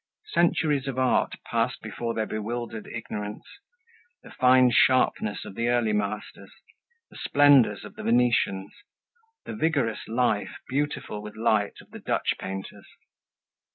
Centuries of art passed before their bewildered ignorance, the fine sharpness of the early masters, the splendors of the Venetians, the vigorous life, beautiful with light, of the Dutch painters.